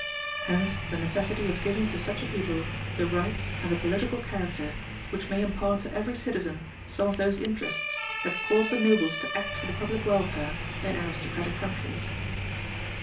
Hence the necessity of giving to such a people the rights and the political character which may impart to every citizen some of those interests that cause the nobles to act for the public welfare in aristocratic countries.